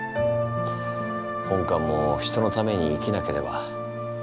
本官も人のために生きなければ。